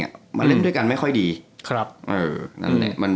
อะมันเล่นด้วยกันไม่ค่อยดีครับเอออืมนั่นแหละมันมัน